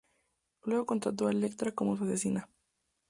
Luego contrató a Elektra como su asesina.